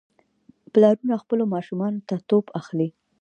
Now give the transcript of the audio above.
پلارونه خپلو ماشومانو ته توپ اخلي.